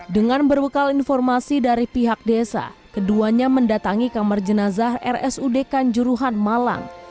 dengan berbekal informasi dari pihak desa keduanya mendatangi kamar jenazah rsud kanjuruhan malang